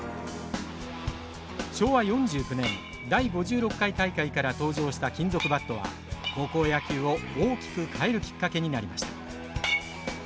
昭和４９年第５６回大会から登場した金属バットは高校野球を大きく変えるきっかけになりました。